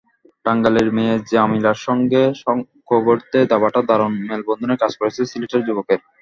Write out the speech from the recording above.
টাঙ্গাইলের মেয়ে জামিলার সঙ্গে সখ্য গড়তে দাবাটা দারুণ মেলবন্ধনের কাজ করেছে সিলেটের যুবকের।